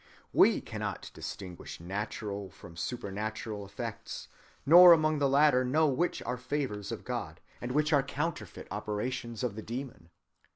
We cannot distinguish natural from supernatural effects; nor among the latter know which are favors of God, and which are counterfeit operations of the demon.